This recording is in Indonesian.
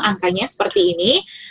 angkanya seperti ini